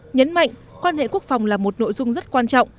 nhấn mạnh quan hệ quốc phòng là một nội dung rất quan trọng